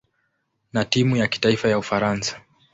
na timu ya kitaifa ya Ufaransa.